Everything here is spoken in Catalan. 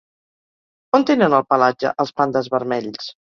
On tenen el pelatge els pandes vermells?